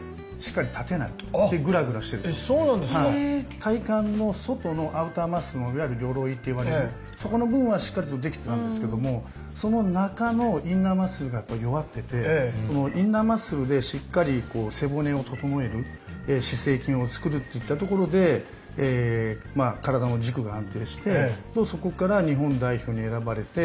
体幹の外のアウターマッスルのいわゆる「鎧」と呼ばれるそこの部分はしっかりとできてたんですけどもその中のインナーマッスルが弱っててインナーマッスルでしっかり背骨を整える姿勢筋をつくるっていったところで体の軸が安定してそこから日本代表に選ばれて。